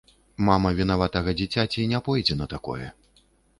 Мама вінаватага дзіцяці не пойдзе на такое.